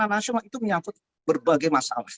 nasional itu menyangkut berbagai masalah